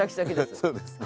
そうですね。